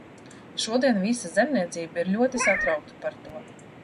Šodien visa zemniecība ir ļoti satraukta par to.